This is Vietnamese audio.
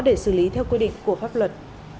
để xử lý theo quy định của pháp luật